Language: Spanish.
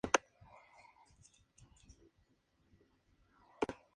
Fue miembro de la línea de Reuss-Ebersdorf que provenía de la línea de Reuss-Lobenstein.